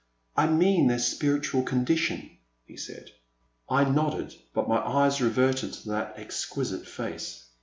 '* I mean their spir itual condition," he said. I nodded, but my eyes reverted to that exquisite face.